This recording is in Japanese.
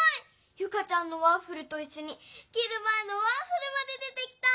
ユカちゃんのワッフルといっしょにきるまえのワッフルまで出てきた！